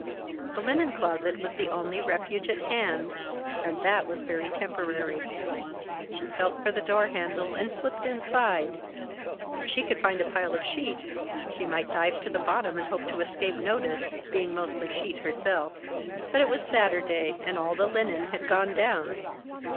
The linen closet was the only refuge at hand and that was very temporary. She felt for the door handle and slipped inside. If she could find a pile of sheets, she might dive to the bottom and hope to escape notice, being mostly sheet herself. But it was Saturday, and all the linen had gone down.